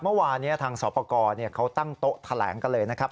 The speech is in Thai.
เมื่อวานนี้ทางสอบประกอบเขาตั้งโต๊ะแถลงกันเลยนะครับ